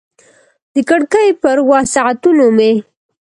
د کړکۍ پر وسعتونو مې